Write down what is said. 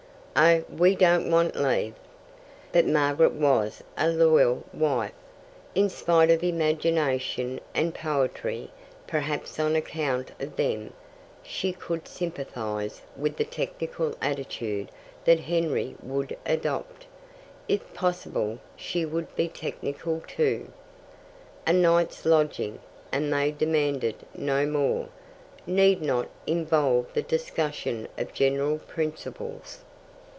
"Oh, we don't want leave." But Margaret was a loyal wife. In spite of imagination and poetry perhaps on account of them she could sympathize with the technical attitude that Henry would adopt. If possible, she would be technical, too. A night's lodging and they demanded no more need not involve the discussion of general principles.